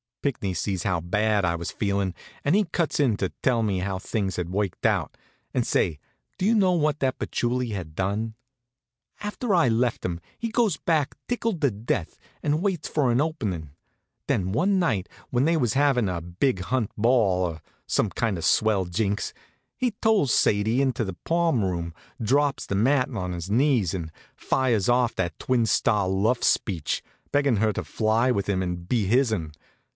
Pinckney sees how bad I was feelin', and he cuts in to tell me how things had worked out. And say, do you know what that Patchouli had done? After I left him he goes back tickled to death, and waits for an openin'. Then, one night when they was havin' a big hunt ball, or some kind of swell jinks, he tolls Sadie into the palm room, drops to the mat on his knees, and fires off that twin star luff speech, beggin' her to fly with him and be his'n.